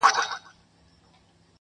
o دا خصلت دی د کم ذاتو ناکسانو,